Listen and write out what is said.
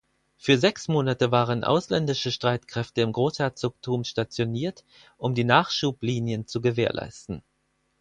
Für sechs Monate waren ausländische Streitkräfte im Großherzogtum stationiert um die Nachschublinien zu gewährleisten.